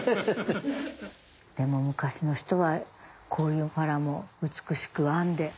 でも昔の人はこういうわらも美しく編んで。